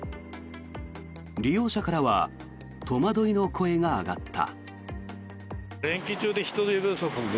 利用者からは戸惑いの声が上がった。